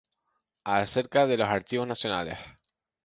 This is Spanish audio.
Acerca de los Archivos Nacionales